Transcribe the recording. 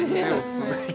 すごい。